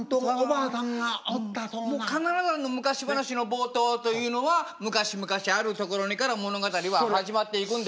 もう必ず「昔ばなし」の冒頭というのは「昔々あるところに」から物語は始まっていくんです。